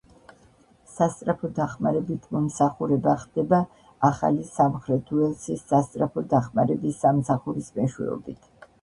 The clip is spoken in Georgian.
სასწრაფო დახმარებით მომსახურება ხდება ახალი სამხრეთ უელსის სასწრაფო დახმარების სამსახურის მეშვეობით.